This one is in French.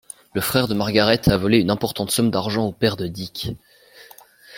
Le frère de Margaret a volé une importante somme d'argent au père de Dick.